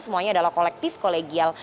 semuanya adalah kolektif kolegial